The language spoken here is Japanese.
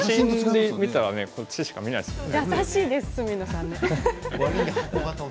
写真で見たら正面からしか見ないですもんね。